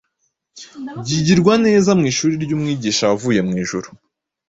byigirwa neza mu ishuri ry’Umwigisha wavuye mu ijuru